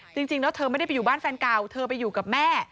จริงแล้วเธอไม่ได้ไปอยู่บ้านแฟนเก่าเธอไปอยู่กับแม่